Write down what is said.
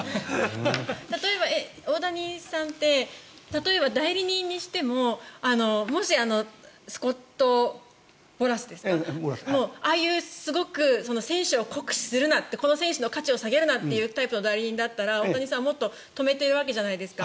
例えば大谷さんって代理人にしてももし、スコット・ボラスですかああいうすごく、選手を酷使するなってこの選手の価値を下げるなというタイプの代理人だったら大谷さんはもっと止めているわけじゃないですか。